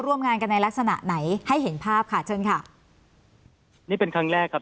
ร่วมงานกันในลักษณะไหนให้เห็นภาพค่ะเชิญค่ะนี่เป็นครั้งแรกครับ